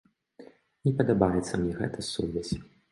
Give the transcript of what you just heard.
Не падабаецца мне гэта сувязь.